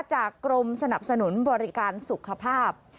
กรมสนับสนุนบริการสุขภาพ